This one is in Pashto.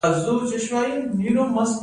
دا شتمني باید وساتو.